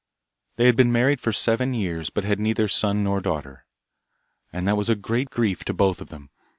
They had been married for seven years, but had neither son nor daughter, and that was a great grief to both of them.